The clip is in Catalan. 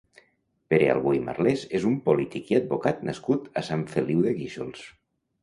Pere Albó i Marlés és un polític i advocat nascut a Sant Feliu de Guíxols.